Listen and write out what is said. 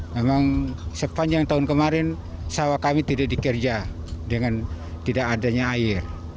memang sepanjang tahun kemarin sawah kami tidak dikerja dengan tidak adanya air